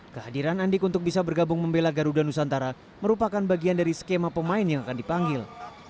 kehadiran andik untuk bisa bergabung membela garuda nusantara merupakan bagian dari skema pemain yang akan dipanggil